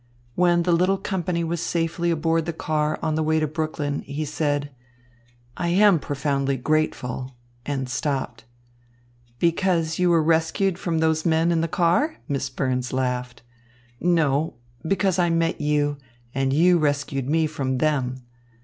When the little company was safely aboard the car on the way to Brooklyn, he said: "I am profoundly grateful " and stopped. "Because you were rescued from those men in the car?" Miss Burns laughed. "No. Because I met you, and you rescued me from them.